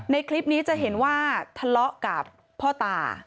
ในคลิปนี้จะเห็นว่าทะเลาะกับพ่อตา